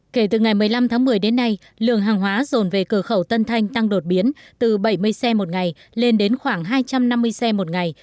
kể từ ngày một mươi năm tháng một mươi đến nay lượng hàng hóa rồn về cửa khẩu tân thanh tăng đột biến từ bảy mươi xe một ngày lên đến khoảng hai trăm năm mươi xe một ngày